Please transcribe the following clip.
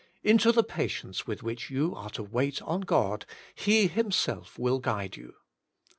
Into the patience with which you are to wait on God, He Himself will guide you.